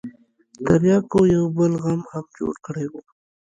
ترياکو يو بل غم هم جوړ کړى و.